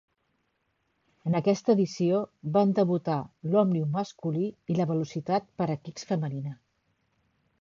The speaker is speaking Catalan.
En aquesta edició van debutar l'Òmnium masculí i la Velocitat per equips femenina.